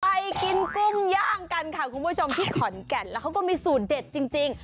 ไปกินกุ้งย่างกันค่ะคุณผู้ชมที่ขอนแก่นแล้วเขาก็มีสูตรเด็ดจริง